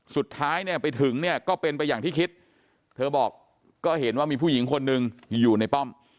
สุดท้ายเนี่ยไปถึงเนี่ยก็เป็นไปอย่างที่คิดเธอบอกก็เห็นว่ามีผู้หญิงคนหนึ่งอยู่ในป้อม